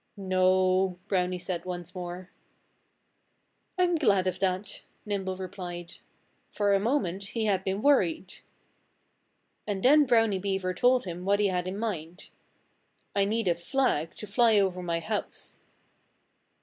"No!" Brownie said once more. "I'm glad of that," Nimble replied. For a moment he had been worried. And then Brownie Beaver told him what he had in mind: "I need a flag to fly over my house."